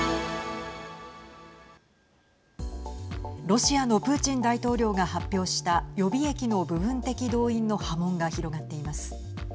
ロシアのプーチン大統領が発表した予備役の部分的動員の波紋が広がっています。